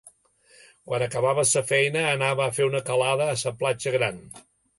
Quan acabava sa feina anava a fer una calada a sa platja gran